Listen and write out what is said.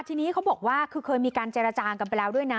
ทีนี้เขาบอกว่าคือเคยมีการเจรจากันไปแล้วด้วยนะ